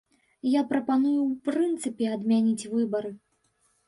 Я прапаную ў прынцыпе адмяніць выбары.